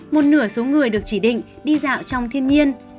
một nửa số người được chỉ định đi dạo trong thiên nhiên